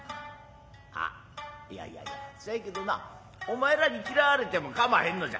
あっいやいやいやせやけどなお前らに嫌われても構へんのじゃ。